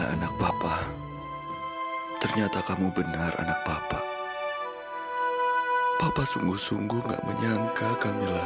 aku suka kamu yang seperti ini mila